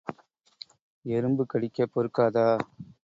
எறும்பு கடிக்கப் பொறுக்காதா?.